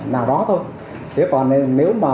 nào đó thôi thế còn nếu mà